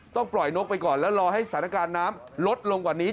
ต้องปล่อยนกไปก่อนแล้วรอให้สถานการณ์น้ำลดลงกว่านี้